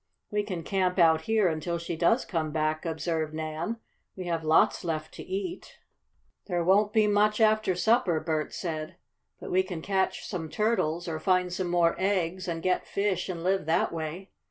"We can camp out here until she does come back," observed Nan. "We have lots left to eat." "There won't be much after supper," Bert said. "But we can catch some turtles, or find some more eggs, and get fish, and live that way."